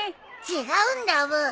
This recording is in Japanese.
違うんだブー。